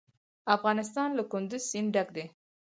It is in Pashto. افغانستان له کندز سیند ډک دی.